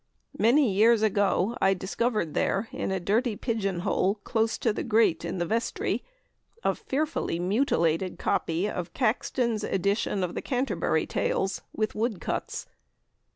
Many years ago I discovered there, in a dirty pigeon hole close to the grate in the vestry, a fearfully mutilated copy of Caxton's edition of the Canterbury Tales, with woodcuts.